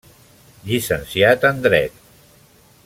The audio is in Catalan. Llicenciat en Dret.